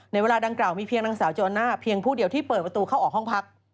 เวลาดังกล่าวมีเพียงนางสาวโจน่าเพียงผู้เดียวที่เปิดประตูเข้าออกห้องพัก